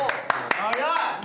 早い！